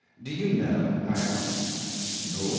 Do you know?" I asked. "No.